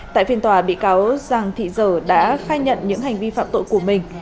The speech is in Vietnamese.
tại phiên tòa bị cáo giàng thị dở đã khai nhận những hành vi phạm tội của mình